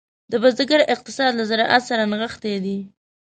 د بزګر اقتصاد له زراعت سره نغښتی دی.